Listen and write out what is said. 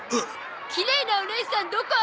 きれいなおねいさんどこ？